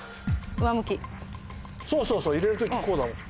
そうそうそう入れる時こうだもん。